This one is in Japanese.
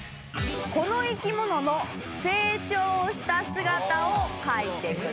この生き物の成長した姿を描いてください。